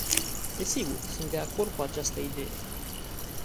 Desigur, sunt de acord cu această idee.